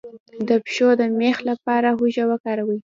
د پښو د میخ لپاره هوږه وکاروئ